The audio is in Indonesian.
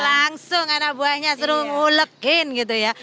langsung anak buahnya seru ngulekin gitu ya